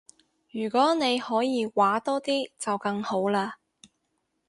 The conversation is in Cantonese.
如果你可以搲多啲就更好啦